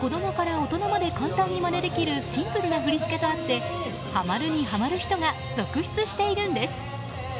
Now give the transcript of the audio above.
子供から大人まで簡単にまねできるシンプルな振り付けとあってはまるにはまる人が続出しているんです。